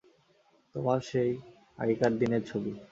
তোমার সেই আগেকার দিনের ছবি।